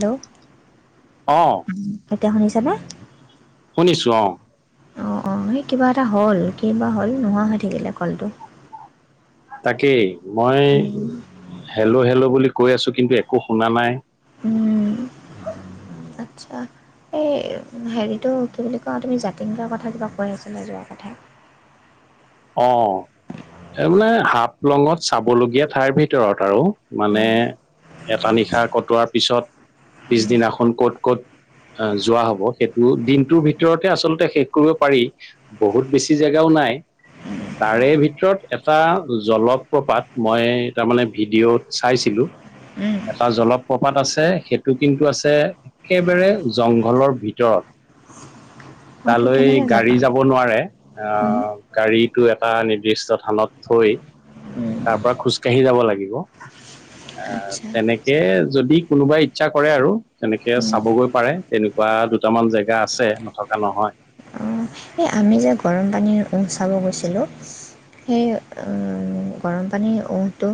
Hello অ', এতিয়া শুনিছানে? শুনিছোঁ অঁ। অঁ অঁ সেই কিবা এটা হ'ল, কিবা হ'ল নোহোৱা হৈ থাকিলে কলটো। তাকেই মই উম হেল্ল' হেল্ল' বুলি কৈ আছো কিন্তু একো শুনা নাই। উম আটচ্ছা এই হেৰিটো কি বুলি কওঁ তুমি জাতিঙ্গাৰ কথা কিবা কৈ আছিলা যোৱা কথা। অ তাৰমানে হাফলংত চাবলগীয়া ঠাইৰ ভিতৰত আৰু মানে এটা নিশা কটোৱাৰ পিছত পিছদিনাখন ক'ত ক'ত আ যোৱা হব সেইটো দিনটোৰ ভিতৰতে আচলতে শেষ কৰিব পাৰি। বহুত বেছি জেগাও নাই। তাৰে ভিতৰত এটা জলপ্ৰপাত মই তাৰমানে ভিডিঅ'ত চাইছিলো। এটা জলপ্ৰপাত আছে, সেইটো কিন্তু আছে একেবাৰে জংঘলৰ ভিতৰত। [unintelligible] তালৈ কেনেকৈ গাড়ী যাবা যাব নোৱাৰে। উম আহ গাড়ীটো এটা নিৰ্দিষ্ট থানত থৈ উম তাৰপৰা খোজ কাঢ়ি যাব লাগিব। [unintelligible] আহ তেনেকে যদি কোনোবাই ইচ্ছা কৰে আৰু তেনেকে উম চাবগৈ পাৰে। তেনেকুৱা দুটামান জেগা আছে নথকা নহয়। অঁ এই আমি যে গৰম পানী উহ চাব গৈছিলোঁ। সেই উম গৰম পানী উহটো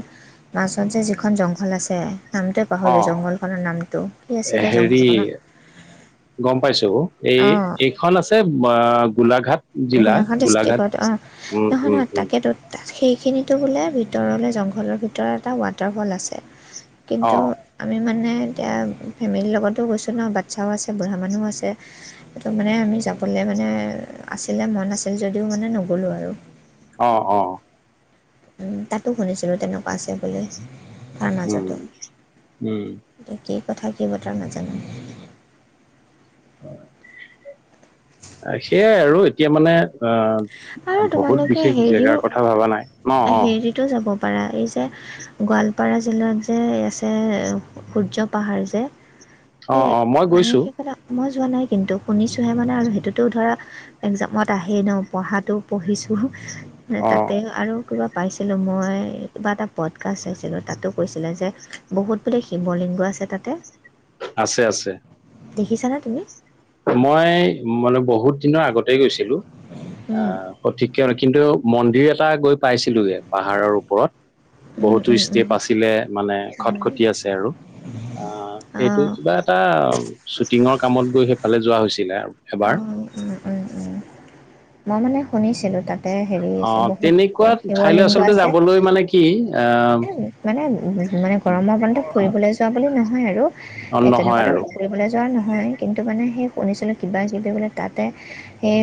মাজত যে যিখন জংঘল আছে, নামটোৱে অ পাহৰিলোঁ জংঘলখনৰ নামটো কি আছিলে হেৰি জংঘলখনত গম পাইছো, এই অঁ এইখন আছে আ গোলাঘাট গোলাঘাট ডিষ্ট্ৰিক্টত, অঁ উম সেইখন উম হয় উম তাকেতো তাত সেইখিনিতো বোলে ভিতৰলৈ জংঘলৰ ভিতৰ এটা ৱাটাৰফল আছে। অ কিন্তু! আমি মানে এতিয়া ফেমিলিৰ লগতো গৈছোঁ ন বাচ্ছাও আছে, বুঢ়া মানুহ আছে। সেইটো মানে আমি যাবলে মানে আছিলে মন আছে যদিও মানে নগলো আৰু। অঁ অঁ! উমঁ তাতো শুনিছিলোঁ তেনেকুৱা আছে বুলি তাৰ উম মাজতো- উম এতিয়া কি কথা কি বতৰা নাজানোঁ। হয়ঁ সেইয়াই আৰু এতিয়া মানে অঁ! আৰু বহুত তোমালোকে বিশেষ জেগাৰ কথা ভবা নাই ন অঁ। টো যাব পাৰা এই যে - গোৱালপাৰা জিলাত যে আছে সূৰ্য পাহাৰ যে- অ সেই অ মই মানে গৈছো সেই কথা- মই যোৱা নাই কিন্তু শুনিছোঁহে মানে আৰু সেইটোতো ধৰা একজামত আহেই ন পঢ়াত। তো পঢ়িছোঁ মানে অ তাতে- আৰু কিবা পাইছিলোঁ মই কিবা এটা পদকাছ চাইছিলোঁ তাতো কৈছিলে যে- বহুত বোলে শিৱলিংগ আছে তাতে। আছে আছে। দেখিছানে তুমি? মই মানে বহুত দিনৰ আগতে গৈছিলোঁ আহ- সঠিকে কিন্তু মন্দিৰ এটা গৈ পাইছিলোগে পাহাৰৰ ওপৰত বহুতো ষ্টেপ- বাচিলে মানে খট খটি আছে আৰু। আ সেইটো অঁ কিবা এটা ছুটিঙৰ কামত গৈ সেইফালে যোৱা হৈছিলে। এবাৰ অঁ উমঁ উমঁ উমঁ মই মানে শুনিছিলোঁ। তাতে হেৰি অ আছে বহুত তেনেকুৱা ঠাইলৈ শিৱলিংগ আচলতে আছে। যাবলৈ মানে কি আহ মানে মানে গৰমৰ বন্ধত ফুৰিবলৈ যোৱা বুলি নহয় আৰু অ এই নহয় তেনেকুৱাতো আৰু ফুৰিবলৈ - যোৱা নহয় কিন্তু মানে সেই শুনিছিলোঁ কিবা কিবি বোলে তাতে- সেই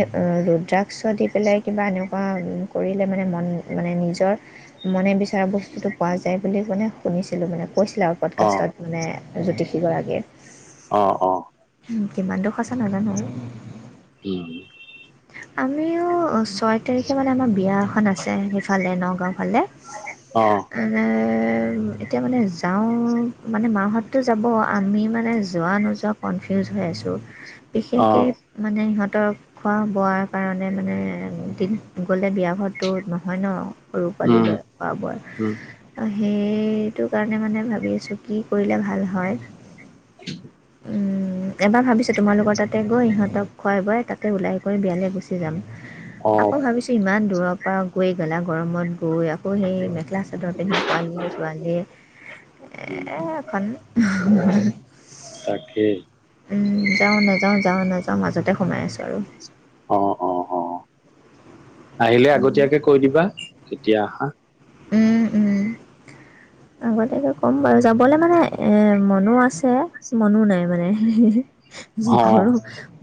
ৰু'দ্ৰাগস দি পেলাই কিবা এনেকুৱা কৰিলে মানে মন মানে নিজৰ- মনে বিচৰা বস্তুটো পোৱা যায় বুলি মানে শুনিছিলোঁ মানে কৈছিলে আও। অ পডকাষ্টত মানে জ্যোতিষী গৰাকীয়ে। অঁ অঁ! উমঁ কিমান টো সঁচা নাজানো আৰু। উমঁ - আমিও চয়- তাৰিখে মানে আমাৰ বিয়া এখন আছে সেইফালে নগাঁও ফালে। অ মানে - এতিয়া মানে যাওঁ মানে মাহততো যাব আমি মানে যোৱা নোযোৱা। কনফিউজ হৈ আছোঁ অ বিশেষকে মানে সিহঁতক - খোৱা বোৱাৰ কাৰণে মানে দিন গ'লে বিয়া হোৱাটো নহয় ন। সৰু পোৱালি উম লৈ খোৱা উম বোয়া। সেইটো কাৰণে মানে ভাবি আছোঁ কি কৰিলে ভাল হয়ঁ। [unintelligible] উমঁ এবাৰ ভাবিছোঁ তোমালোকৰ তাতে গৈ ইিহঁতক খুৱাই বোৱাই তাতে ওলাই কৈ বিয়ালৈ গুচি- যাম অ আকৌ ভাবিছোঁ ইমান দূৰৰ পৰা গৈ গেলা গৰমত গৈ আকৌ - আকৌ সেই মেখেলা চাদৰ পিন্ধি পোৱালিয়ে উম চোৱালি‌য়ে- এ এখন হে হে। তাকেই উমঁ যাওঁ নাযাওঁ যাওঁ নাযাওঁ মাজতে সোমাই আছোঁ আৰু। অ অ অ আহিলে আগতীয়াকে কৈ দিবা কেতিয়া আহা উম উম আগতীয়াকে ক'ম বাৰু যাবলৈ মানে এ মনো আছে মনো নাই যি অ ঘৰ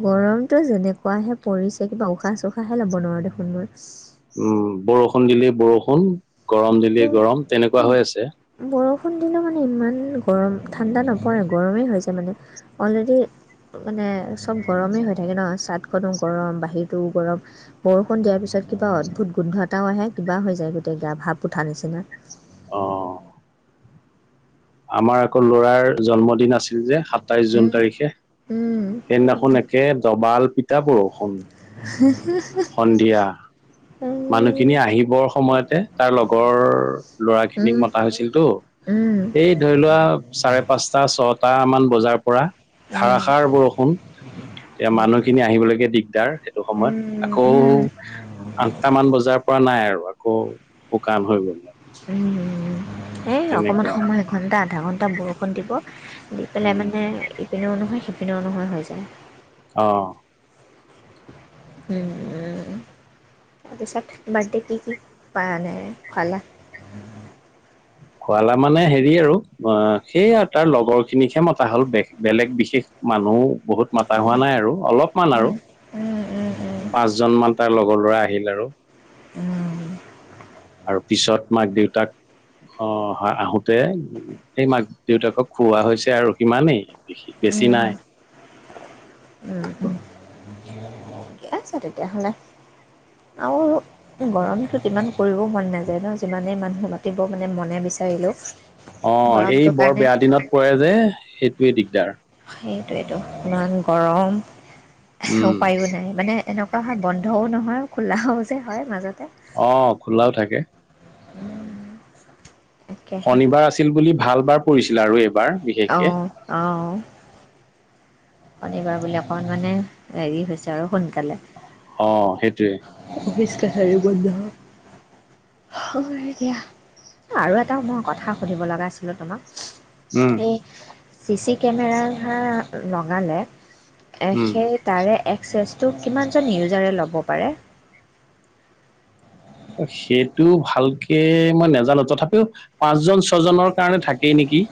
গৰমটো যেনেকুৱাহে পৰিছে কিবা উশাহ চোশাহে ল'ব নোৱাৰোঁ দেখোন মই উম বৰষুণ দিলেই বৰষুণ গৰম দিলেই গৰম তেনেকুৱা হৈ আছে বৰষুণ দিনাত মানে ইমান গৰম ঠাণ্ডা নপৰে গৰমেই হৈছে মানে অলৰেডী মানে চব গৰমেই হৈ থাকে ন চাটখনো গৰম বাহিৰতটোও গৰম বৰষুণ দিয়াৰ পিছত কিবা অদ্ভুত গোন্ধ এটাও আহে কিবা হৈ যায় গোটেই গা ভাপ উঠা নিচিনা অ আমাৰ আকৌ লৰাৰ জন্মদিন আছিল যে সাতাইশ জুন উম তাৰিখে উম সেইদিনাখন একে ডবাল পিঠা বৰষুণ [unintelligible] সন্ধিয়া উম মানুহখিনি আহিবৰ সময়তে তাৰ লগৰ লৰা খিনিকিক উম মতা হৈছিল উম এই ধৰি লোৱা চাৰে পাঁচটা ছটা মান বজাৰ পৰা ধাৰা সাৰ বৰষুণ এতিয়া মানুহখিনি আহিবলৈকে দিগদাৰ সেইটো সময়ত উম আকৌ উম উম আঠটামান বজাৰ পৰা নাই আৰু শুকান হৈ গ'ল এই অকণমান তেনেকুৱা সময় এঘণ্টা আধা ঘণ্টা বৰষুণ দিব দি পেলাই উম মানে ইপিনেও নহয় সিপিনে নহয় হৈ যায় অ তাৰপিছত বাৰ্থডে কি কি পা এনে খোৱালা খুৱালা মানে হেৰি আৰু অ সেইয়া আৰু তাৰ লগৰ খিনিকহে মতা হ'ল বে বেলেগ বিশেষ মানুহ বহুত মাতা হোৱা নাই আৰু অলপমান আৰু উম, উম, উম, উম, পাঁচজন মান তাৰ লগত লগৰ ল'ৰা আহিল আৰু উ আৰু পিছত মাক দেউতাক অ হয় আহোতে এনেই মাক দেউতাকক খুওৱা হৈছে আৰু সিমানেই উম বেছি নাই উম ঠিকে আছে তেতিয়াহ'লে আৰু গৰমটোত ইমান কৰিবও মন নাযায় ন যিমানেই মানুহ মাতিব মানে মনে বিচাৰিলোঁ অ এই বৰ বেয়া দিনত কৰে যে সেইটোৱে দিগদাৰ সেইটো ইটো ইমান গৰম উম উপায়ো নাই মানে এনেকুৱা হয় বন্ধও নহয় খোলাও যে হয় মাজতে অ খোলাও থাকে উ [inaudible] শনিবাৰ আছিল বুলি ভাল বাৰ পৰিছিলে আৰু এইবাৰ অ বিশেষকে অ শনিবাৰ বুলি অকণ মানে হেৰি হৈছে আৰু সোনকালে অ সেইটোৱে অফিচ কাচাৰি বন্ধ হয় দিয়া আৰু এটা মই কথা সুধিব লগা আছিলোঁ উম তোমাক এই চি চি কেমেৰা লগালে এ উম সেই তাৰে এক্সেছটো কিমানজন ইউজাৰে ল'ব পাৰে সেইটো ভালকে মই নাজানো তথাপিও পাঁচ জন, ছজনৰ কাৰণে থাকেই নেকি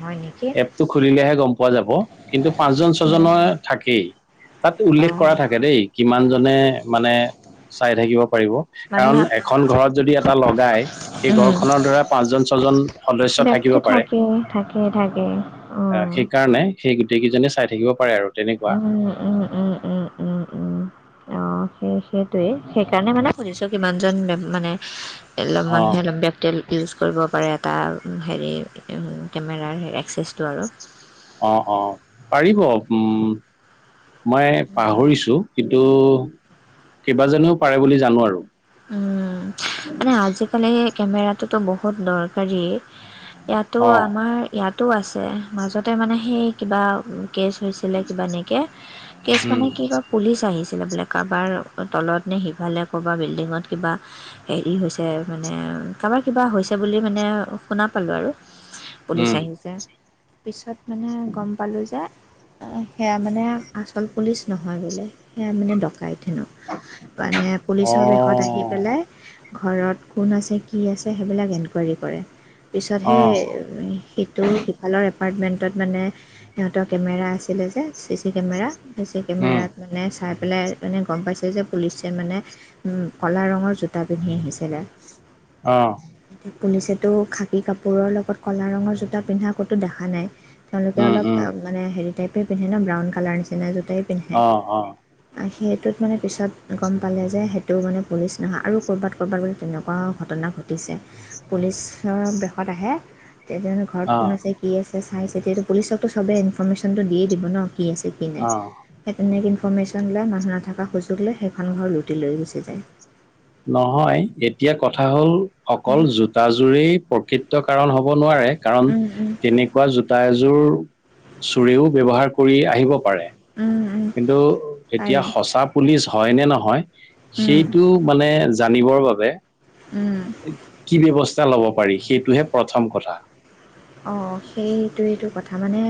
হয় নি এপটো খুলিলেহে গম পোৱা যাব। কিন্তু পাঁচজন, ছজনৰ থাকেই তাত উল্লেখ অঁ কৰা থাকে দেই কিমানজনে মানে চাই থাকিব পাৰিব মানে কাৰণ এখন ঘৰত যদি এটা লগায় সেই উম ঘৰখনত ধৰা পাঁচজন, ছজন সদস্য ব্যক্তি থাকিব পাৰে থাকে থাকে থাকে অ অ সেইকাৰণে সেই গোটেই কেইজনে চাই থাকিব পাৰে আৰু তেনেকুৱা উম উম উম উম উম উম অ' সেই সেইটোয়ে সেইকাৰণে মানে সুধিছোঁ কিমান জন মানে এলপ অ মানুহে অলপ বে তেল ইউজ কৰিব পাৰে এটা হেৰি কেমেৰাৰ এক্সেছটো আৰু। অঁ অঁ পাৰিব। মই পাহৰিছোঁ। কিন্তু কেইবাজনেও পাৰে বুলি জানোঁ আৰু। উম' মানে আজিকালি কেমেৰাটোতো বহুত দৰকাৰী। ইয়াতো অ আমাৰ ইয়াতো আছে। মাজতে মানে সেই কিবা কেচ হৈছে বেলেগ কিবা এনেকে, কেছ উম মানে কিবা পুলিচ আহিছিলে বোলে। কাৰোবাৰ তলত নে, সিফালে ক'ৰবাত বিল্ডিঙত কিবা হেৰি হৈছে মানে কাবাৰ কিবা হৈছে বুলি মানে শুনা পালোঁ আৰু। পুলিচ উম আহিছে, পিছত মানে গম পালোঁ যে সেয়া মানে আচল পুলিচ নহয় বোলে সেয়া মানে ডকাইত হেনো, মানে অ পুলিচৰ বেশ পেলাই ঘৰত কোন আছে, কি আছে সেইবিলাক ইনকুৱাৰি কৰে। পিচত অ হে সিটো সিফালৰ এপাৰ্টমেণ্টত মানে সিহঁতৰ কেমেৰা আছিলে যে C C camera. C C উম কেমেৰাত মানে চাই পেলাই মানে গম পাইছে যে পুলিচে মানে উম' ক'লা ৰঙৰ জোতা পিন্ধি আহিছিলে। অ' পুলিচেতো খাকী কাপোৰৰ লগত ক'লা ৰঙৰ জোতা পিন্ধা ক'তো দেখা নাই। তেওঁলোকে উম অলপ উম মানে হেৰি টাইপেই পিন্ধে ন ব্ৰাউন কালাৰ নিচিনা জোটাই পিন্ধে। অ অ সেইটোত মানে পিছত গম পালে যে সে টো মানে পুলিচ নহয় আৰু ক'ৰবাত ক'ৰবাত বোলে তেনেকুৱা ঘটনা ঘটিছে। পুলিচৰ বেশত আহে তেতিয়াটো ঘৰত অ কোন আছে, কি আছে চাই চিটি এইটো পুলিচকতো সবে ইনফৰৰ্মেশ্যনটো দিয়েই দিব ন কি আছে, কি নাই, অ সেই তেনেক ইনফৰৰ্মেশ্যন বিলাক মানুহ নাথাকা সুযোগ লৈ সেইখন ঘৰ লুটি লৈ গুচি যায়। নহয় এতিয়া কথা হল অকল উম, জু টা জোৰেই প্ৰকৃত কাৰণ হব নোৱাৰে। কাৰণ উম, তেনে কুৱা যোতা এযোৰ চুৰেও ব্যৱহাৰ কৰি আহিব পাৰে। উম উম, কিন্তু এতিয়া পাৰে সঁচা পুলিচ হয় নে নহয় উম, সেইটো মানে জানিব বাবে। উম কি ব্যৱস্থা লব পাৰি সেইটোহে প্ৰথম কথা। অ, সেইটোৱেইটো কথা মানে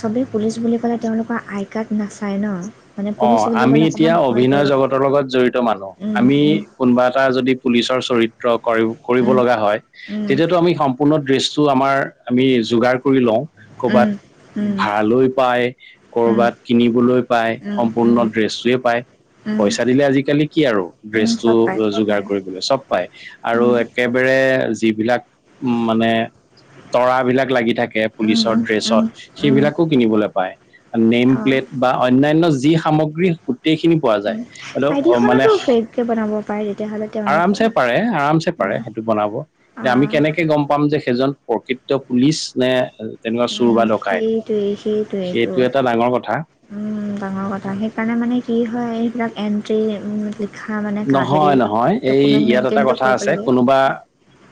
চবেই পুলিচ বুলি ক'লে তেওঁলোকৰ আই কাৰ্ড নাচায় ন, মানে অ, পুলিচ বুলি আমি ক'লে অকণমান এতিয়া ভয় অভিনয় কৰোঁ জগতৰ লগত জড়িত মানুহ। উম, আমি উম। কোনোবা এটা যদি পুলিচৰ চৰিত্ৰ কৰিব অঁ লগা হয়, তেতিয়াতো আমি পূৰ্ণ ড্ৰেছটো আমাৰ, আমি যোগাৰ কৰি লওঁ কৰ'বাত। ভাড়ালৈ পায়, কৰবাত কিনিবলৈ পায়। সম্পূৰ্ণ ড্ৰেছটোয়ে পায়, পইচা দিলে আজিকালি কি আৰু ড্ৰেছটো যোগাৰ আইডিখনতো কৰিবলৈ চ'ব পাই আৰু একেবাৰে যিবিলাক উম, মানে তৰা বিলাক লাগি থাকে পুলিচৰ ড্ৰেচত। সেইবিলাকো কিনিবলৈ পায়, নেম প্লেট বা অন্যান্য যি সামগ্ৰী গোটেইখিনি পোৱা যায়। হেল্ল, অ, মানে ফেককৈ বনাব পাৰে তেতিয়াহ'লে তেওঁলোকৰ আৰামচে পাৰে, আৰামচে পাৰে, উম, সেইটো বনাব, এতিয়া আমি আহ, কেনেকে গম পাম যে, সেইজন প্ৰকৃত পুলিচ নে? তেনেকুৱা চোৰ উম, বা সেইটোৱেই ডকাইত সেইটোৱেইটো সেইটো এটা ডাঙৰ কথা। উম, ডাঙৰ কথা সেইকাৰণে মানে কি হয়, এইবিলাক এন্ট্ৰি উম, নহয়, নহয় এই ইয়াত এটা মেইনটেইনটো কথা কৰিব আছে। লাগে কোনোবা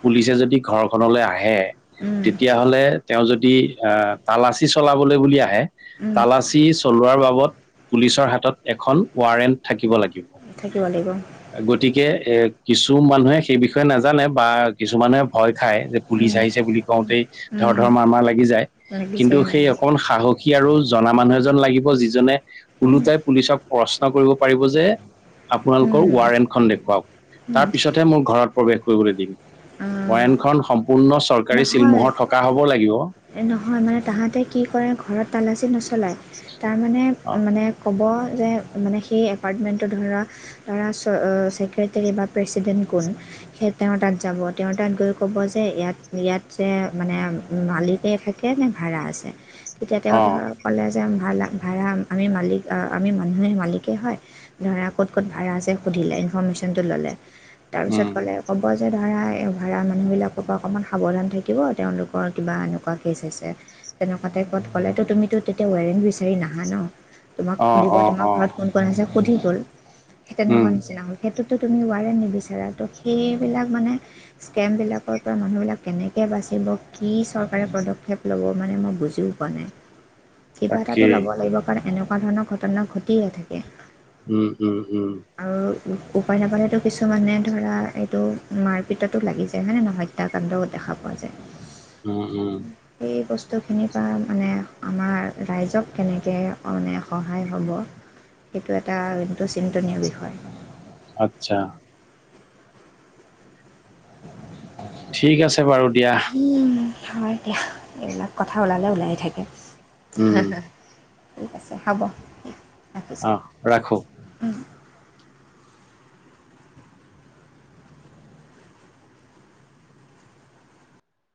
পুলিচে যদি ঘৰখনলৈ আহে। উম, তেতিয়াহ'লে তেওঁ যদি আহ,, তালাচী চলাবলৈ বুলি আহে উম, তালাচী চলোৱাৰ বাবদ, পুলিচৰ হাতত এখন ৱাৰেণ্ট থাকিব লাগিব। থাকিব লাগিব। গতিকে এ, কিছু মানুহে সেই বিষয়ে নাজানে বা কিছুমানে ভয় খায়। পুলিচ উম, আহিছে বুলি কওঁতেই, উম, ধৰধৰ-মাৰমাৰ লাগি যায়। কিন্তু, লাগিছে সেই অকণ সাহসী আৰু জনা মানুহ এজন লাগিব, যিজনে উম, ওলোটাই পুলিচক প্ৰশ্ন কৰিব পাৰিব যে আপোনালোকৰ উম, ৱাৰেণ্টখন দেখুৱাওঁক, তাৰ পিছতহে মোৰ ঘৰত প্ৰৱেশ কৰিবলৈ দিম। উম, ৱাৰেন্টখন সম্পূৰ্ণ চৰকাৰী ছিল-মোহৰ থকা হ'ব লাগিব। এই নহয়, মানে তাহাঁতে কি কৰে ঘৰত তালাচী নচলায়, তাৰমানে অ মানে ক'ব যে, মানে সেই এপাৰ্টমেণ্টত ধৰা ধৰা চ, ছেক্ৰেটাৰী বা প্ৰেছিডেন্ট কোন? সেই তেওঁ তাত যাব, তেওঁ তাত গৈ ক'ব যে ইয়াত ইয়াত যে মানে মালিকে থাকে নে, ভাড়া আছে? তেতিয়া তেওঁ অ ধৰক ক'লে যে, ভ়া-ভাড়া আমি মালিক আমি মানুহে মালিকেই হয়। ধৰা ক'ত ক'ত ভাড়া আছে সুধিলে, ইনফৰৰ্মেশ্যনটো ল'লে। উম তাৰপিছত গ'লে, ক'ব যে ধৰা এই ভাড়া মানুহবিলাকৰ পৰা অকণমান সাৱধান থাকিব, তেওঁলোকৰ কিবা এনেকুৱা কেচ হৈছে। তেনেকুৱাতে ক'ত ক'লেতো, তুমিতো তেতিয়া ৱৰেণ্ট বিচাৰি নাহা ন, তোমাক অ সুধিব অ তোমাৰ অ ঘৰত কোন কোন, আছে সুধি গ'ল, সেই তেনেকুৱা উম নিচিনা হ'ল। সেইটোতো তুমি ৱাৰেণ্ট নিবিচাৰা, তো সেইবিলাক মানে স্কেমবিলাকৰ পৰা মানুহবিলাক কেনেকৈ বাচিব, কি চৰকাৰে পদক্ষেপ ল'ব মানে, মই বুজিও পোৱা নাই। কিবা এটাটো তাকেই ল'ব লাগিব, কাৰণ এনেকুৱা ধৰণৰ ঘটনা ঘটিয়ে থাকে। উম, উম, উম, আৰু উপায় নাপালেতো কিছুমানে ধৰা, এইটো মাৰপিটতো লাগি যায় হয়নে নহয়, হত্যাকাণ্ড দেখা পোৱা যায়। উম, উম, এই বস্তুখিনিৰ পৰা মানে আমাৰ ৰাইজক কেনেকে এনে সহায় হ'ব সেইটো এটা টো চিন্তনীয় বিষয়। আচ্ছা [unintelligible] ঠিক আছে বাৰু দিয়া। উম হয় দিয়া, এইবিলাক কথা ওলালে ওলাই থাকে। উম ঠিক আছে, হ'ব। ৰাখিছোঁ অহ ৰাখো।